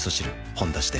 「ほんだし」で